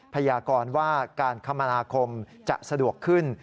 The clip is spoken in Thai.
พยากรว่าการคมนาคมจะสะดวกขึ้น